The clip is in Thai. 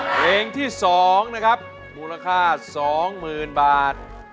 เพลงที่สองนะครับบูรณาค่า๒๐๐๐๐บาท